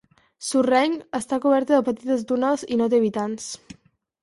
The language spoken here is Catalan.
Sorrenc, està coberta de petites dunes, i no té habitants.